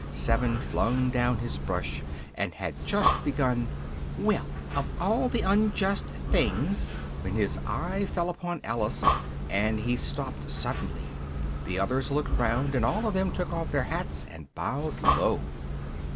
Seven flung down his brush, and had just begun "well! Of all the unjust things " when his eye fell upon Alice, and he stopped suddenly; the others looked round, and all of them took off their hats and bowed low.